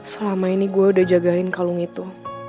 selama ini gue udah jagain kalung itu